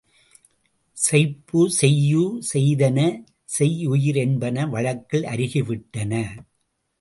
செய்பு, செய்யூ, செய்தென, செய்யியர் என்பன வழக்கில் அருகி விட்டன.